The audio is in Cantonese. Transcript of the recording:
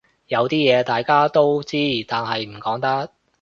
有啲嘢大家都知但係唔講得